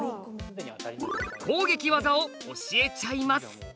攻撃技を教えちゃいます！